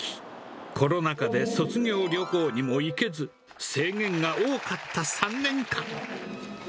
コロナ禍で卒業旅行にも行けず、制限が多かった３年間。